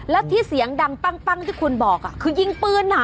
แล้วที่เสียงดังปั้งที่คุณบอกคือยิงปืน